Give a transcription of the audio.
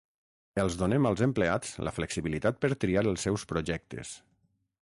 Els donem als empleats la flexibilitat per triar els seus projectes.